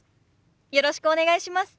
よろしくお願いします。